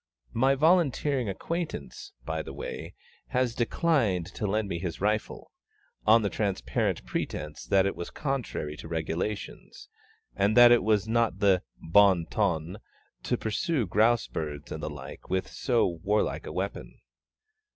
My volunteering acquaintance, by the way, has declined to lend me his rifle, on the transparent pretence that it was contrary to regulations, and that it was not the bon ton to pursue grouse birds and the like with so war like a weapon.